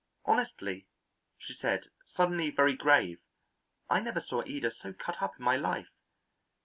Honestly," she said, suddenly very grave, "I never saw Ida so cut up in my life.